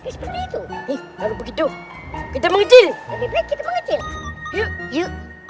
kenapa pakai seperti itu